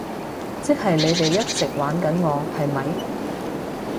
即係你哋一直玩緊我，係咪？